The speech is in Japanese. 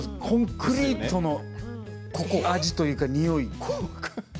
コンクリートの味というかにおい。